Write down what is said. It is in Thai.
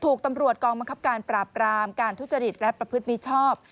ถูกตำรวจกองบังคับการปราบรามการทุจริตและประพฤติมิชชอบ